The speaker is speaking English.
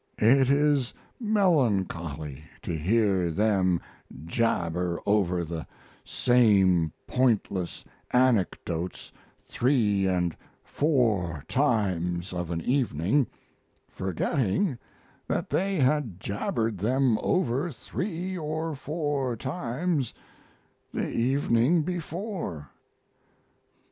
It is melancholy to hear them jabber over the same pointless anecdotes three and four times of an evening, forgetting that they had jabbered them over three or four times the evening before.